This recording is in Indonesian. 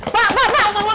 pak pak pak